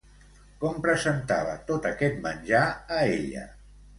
Com presentava tot aquest menjar a ella?